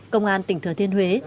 công an tỉnh thừa thiên huế